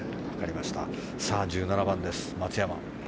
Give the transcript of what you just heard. １７番です、松山。